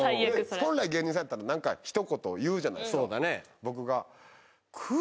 本来芸人さんやったら何かひと言言うじゃないすかそうだね